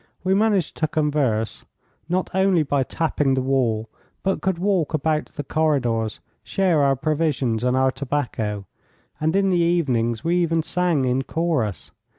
We managed to converse, not only by tapping the wall, but could walk about the corridors, share our provisions and our tobacco, and in the evenings we even sang in chorus.